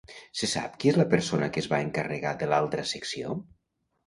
Se sap qui és la persona que es va encarregar de l'altra secció?